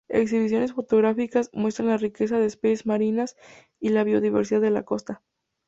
Exhibiciones fotográficas muestran la riqueza de especies marinas y la biodiversidad de la costa.